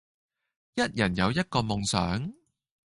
一人有一個夢想